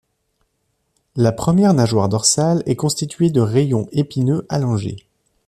La première nageoire dorsale est constituée de rayons épineux allongés.